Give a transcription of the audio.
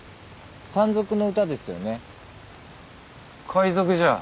海賊じゃ。